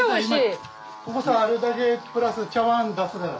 ここさあるだけプラス茶わん出すから。